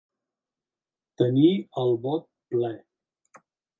Tenir el bot ple.